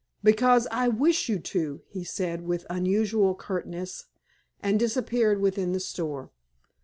"Because I wish you to," he said with unusual curtness, and disappeared within the store.